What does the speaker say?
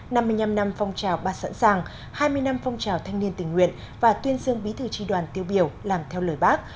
năm mươi năm năm phong trào ba sẵn sàng hai mươi năm phong trào thanh niên tình nguyện và tuyên dương bí thư tri đoàn tiêu biểu làm theo lời bác